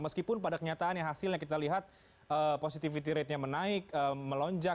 meskipun pada kenyataannya hasilnya kita lihat positivity ratenya menaik melonjak